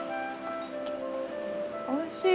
おいしい。